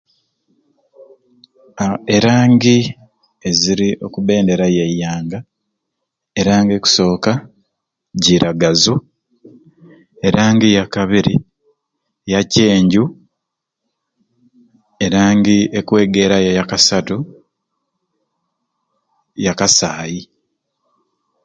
Ha erangi eziri oku bendera yaiyanga erangi ekusooka giragazu erangi eyakabiri yakyenju erangi ekwegerayo eya kasatu yakasaayi